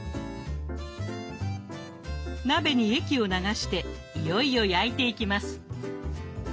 鍋に液を流していよいよ焼いていきます。